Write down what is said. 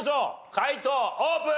解答オープン！